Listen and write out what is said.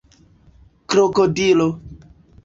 krokodilo